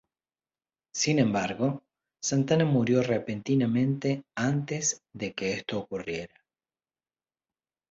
Sin embargo, Santana murió repentinamente antes de que esto ocurriera.